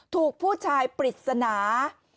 ถูกผู้ชายปริศนา